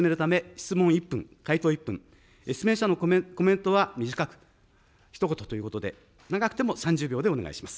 質問者のコメントは短く、ひと言ということで、長くても３０秒でお願いします。